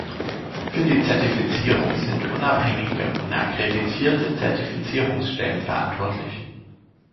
Für die Zertifizierung sind unabhängige und akkreditierte Zertifizierungsstellen verantwortlich.